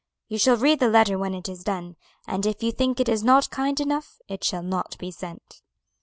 You shall read the letter when it is done, and if you think it is not kind enough it shall not be sent."